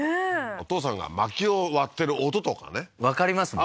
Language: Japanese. お父さんが薪を割ってる音とかねわかりますもんね